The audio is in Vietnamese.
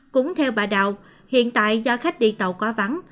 cũng theo bà đạo hiện tại do khách đi tàu quá vắng